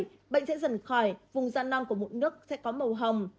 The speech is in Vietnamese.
sau bảy một mươi ngày bệnh sẽ dần khỏi vùng da non của mụn nước sẽ có màu hồng